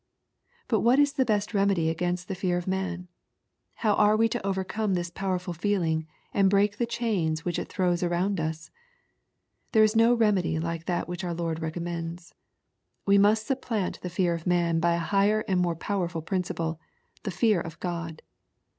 ^' But what is the best remedy against the fear of man ? How are we to overcome this powerful feeling, and break the chains which it throws around us .^ There is no remedy like that which our Lord recommends. We must supplant the fear of man by a higher and more powerful principle, — the fear of God.